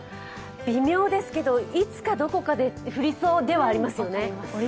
微妙ですけど、いつかどこかで降りそうではありますよね。